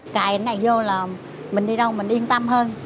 cài này vô là mình đi đâu mình yên tâm hơn